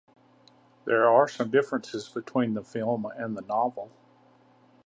There are some differences between the film and the novel.